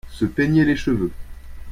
Se peigner les cheveux.